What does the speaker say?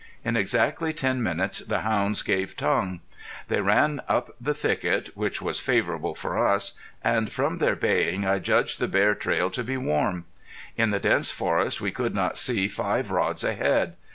In exactly ten minutes the hounds gave tongue. They ran up the thicket, which was favorable for us, and from their baying I judged the bear trail to be warm. In the dense forest we could not see five rods ahead.